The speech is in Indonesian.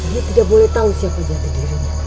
dia tidak boleh tahu siapa jati dirinya